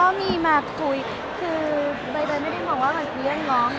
ก็มีมาคุยคือใบใดไม่ได้มองว่ามันคุยกับน้องหรืออะไรหรอก